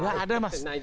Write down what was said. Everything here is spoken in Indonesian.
tidak ada mas